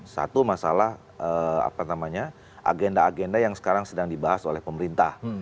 satu masalah agenda agenda yang sekarang sedang dibahas oleh pemerintah